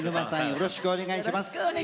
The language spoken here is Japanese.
よろしくお願いします。